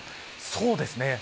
そうですね。